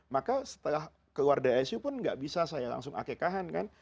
maka setelah keluar dari icu pun nggak bisa saya langsung akekahan kan